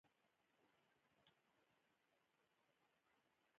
نه ورختی شم نه ئې باد را غورځوېنه